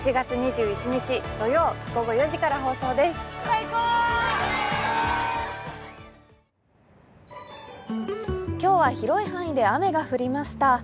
ＮＯ．１今日は広い範囲で雨が降りました。